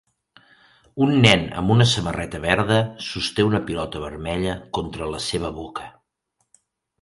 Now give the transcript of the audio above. Un nen amb una samarreta verda sosté una pilota vermella contra la seva boca.